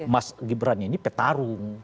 mas gibran ini petarung